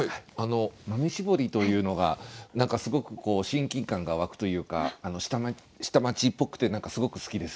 「豆絞り」というのが何かすごく親近感が湧くというか下町っぽくてすごく好きです。